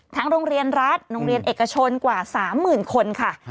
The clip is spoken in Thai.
ทั้งโรงเรียนรัฐโรงเรียนเอกชนกว่า๓หมื่นคนค่ะ